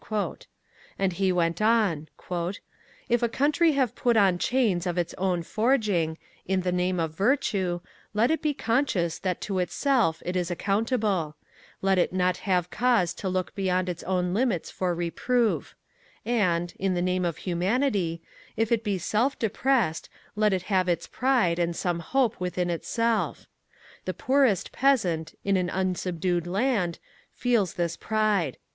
And he went on: If a country have put on chains of its own forging; in the name of virtue, let it be conscious that to itself it is accountable: let it not have cause to look beyond its own limits for reproof: and in the name of humanity if it be self depressed, let it have its pride and some hope within itself. The poorest peasant, in an unsubdued land, feels this pride.